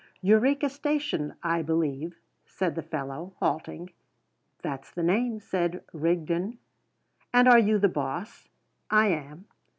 "Eureka Station, I believe?" said the fellow, halting. "That's the name," said Rigden. "And are you the boss?" "I am."